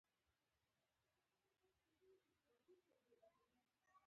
زه د خپل وطن د نوم په اورېدو خوشاله یم